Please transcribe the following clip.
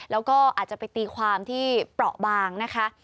แล้วก็อาจจะไปตีความที่เปราะบางนะคะ